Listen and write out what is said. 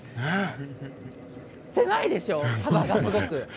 狭いでしょ、幅がすごく。